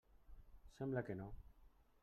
Sembla que no.